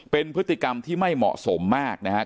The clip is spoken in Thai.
เป็นพฤติกรรมที่ไม่เหมาะสมมากนะครับ